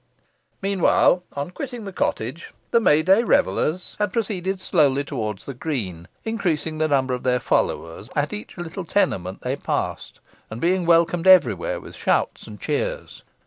Meanwhile, on quitting the cottage, the May day revellers had proceeded slowly towards the green, increasing the number of their followers at each little tenement they passed, and being welcomed every where with shouts and cheers.